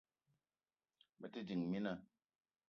Me te ding, mina